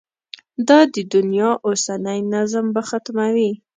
دا د دنیا اوسنی نظم به ختموي.